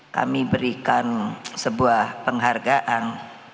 kami berikan sebuah penghargaan